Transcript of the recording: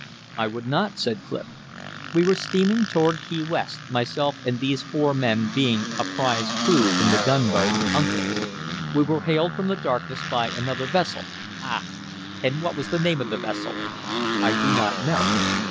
"I would not," said Clif. "We were steaming toward Key West, myself and these four men being a prize crew from the gunboat Uncas. We were hailed from the darkness by another vessel " "Ah! And what was the name of the vessel?" "I do not know."